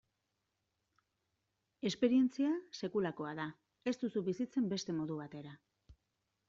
Esperientzia sekulakoa da, ez duzu bizitzen beste modu batera.